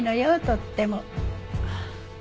とっても。